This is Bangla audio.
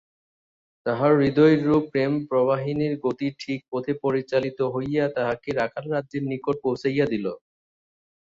তাঁহার হৃদয়রূপ প্রেম-প্রবাহিণীর গতি ঠিক পথে পরিচালিত হইয়া তাঁহাকে রাখালরাজের নিকট পৌঁছাইয়া দিল।